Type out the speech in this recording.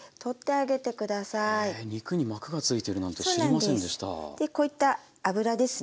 でこういった脂ですね